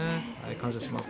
感謝します。